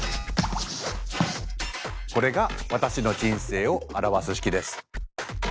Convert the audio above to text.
これが私の人生を表す式です。